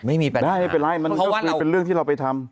ไม่มีปัญหาเพราะว่าเภยเป็นเรื่องที่เราไปทำ